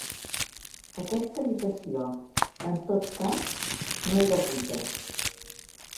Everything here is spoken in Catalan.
Aquesta habitació, en tot cas, no era buida.